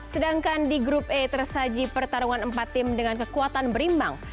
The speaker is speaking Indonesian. sedangkan di grup e tersaji pertarungan empat tim dengan kekuatan berimbang